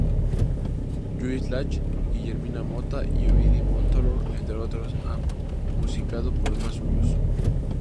Lluís Llach, Guillermina Motta y Ovidi Montllor, entre otros, han musicado poemas suyos.